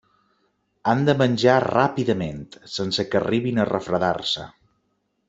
Han de menjar ràpidament, sense que arribin a refredar-se.